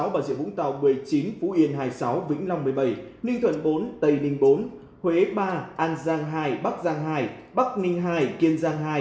bà rịa vũng tàu một mươi chín phú yên hai mươi sáu vĩnh long một mươi bảy ninh thuận bốn tây ninh bốn huế ba an giang hai bắc giang hai bắc ninh hai kiên giang hai